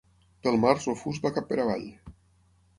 Pel març el fus va cap per avall.